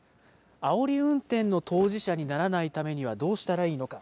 あおり運転の当事者にならないためには、どうしたらいいのか。